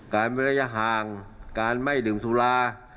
ระยะห่างการไม่ดื่มสุรา